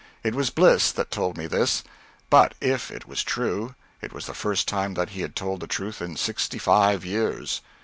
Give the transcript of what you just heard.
It was Bliss that told me this but if it was true, it was the first time that he had told the truth in sixty five years.